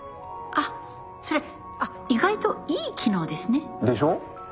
あっそれ意外といい機能ですね。でしょ？